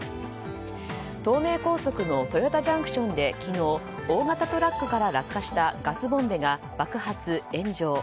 東名高速の豊田ＪＣＴで昨日大型トラックから落下したガスボンベが爆発・炎上。